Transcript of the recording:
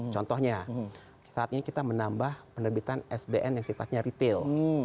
contohnya saat ini kita menambah penerbitan sbn yang sifatnya retail